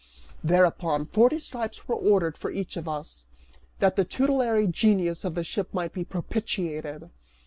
Thereupon, forty stripes were ordered for each of us, that the tutelary genius of the ship might be propitiated.